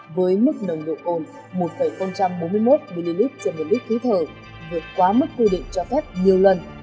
với mức nồng độ cồn một bốn mươi một ml trên một lít khí thở vượt quá mức quy định cho phép nhiều lần